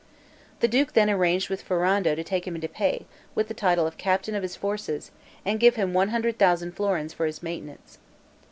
The duke then arranged with Ferrando to take him into pay, with the title of captain of his forces, and give him 100,000 florins for his maintenance.